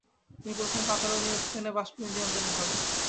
তিনি প্রথম কাতালোনিয়া ও স্পেনে বাষ্পীয় ইঞ্জিন আমদানি করেন।